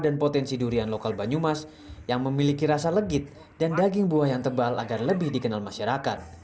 dan potensi durian lokal banyumas yang memiliki rasa legit dan daging buah yang tebal agar lebih dikenal masyarakat